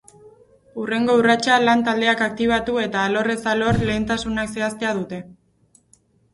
Hurrengo urratsa, lan taldeak aktibatu eta alorrez alor lehentasunak zehaztea dute.